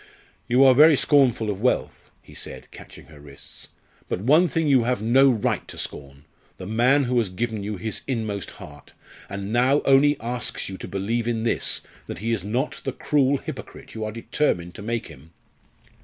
"You are very scornful of wealth," he said, catching her wrists, "but one thing you have no right to scorn! the man who has given you his inmost heart and now only asks you to believe in this, that he is not the cruel hypocrite you are determined to make him!"